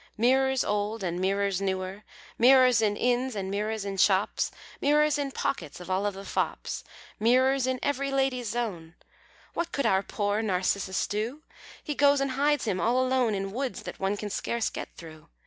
Mirrors old and mirrors newer; Mirrors in inns and mirrors in shops; Mirrors in pockets of all the fops; Mirrors in every lady's zone. What could our poor Narcissus do? He goes and hides him all alone In woods that one can scarce get through.